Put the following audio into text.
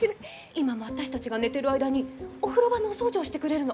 今も私たちが寝てる間にお風呂場のお掃除をしてくれるの。